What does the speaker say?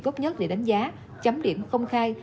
góp nhất để đánh giá chấm điểm công khai